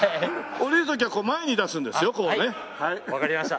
下りる時は前に出すんですよこうね。わかりました。